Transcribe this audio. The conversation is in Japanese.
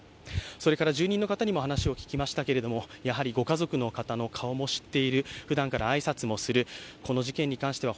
それから住人の方にも話を聞きましたけれども、やはりご家族の方の顔も知っている、ふだんから挨拶もする、この事件に関しては